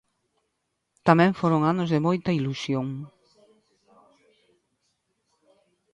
Tamén foron anos de moita ilusión.